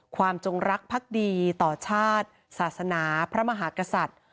จงรักพักดีต่อชาติศาสนาพระมหากษัตริย์